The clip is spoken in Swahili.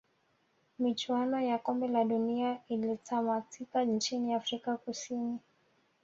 michuano ya kombe la dunia ilitamatika nchini afrika kusini